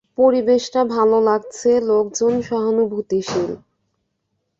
পরিবেশটা ভালো লাগছে, লোকজন সহানুভূতিশীল।